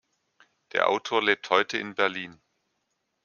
Der Autor lebt heute in Berlin.